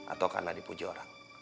atau karena dipuji orang